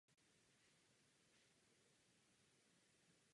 Tato situace se však vyvíjí velmi dynamicky.